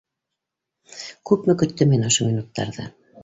Күпме көттөм мин ошо минуттарҙы!